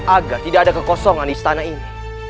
agar tidak ada kekosongan di istana ini